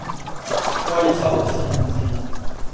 歸心似箭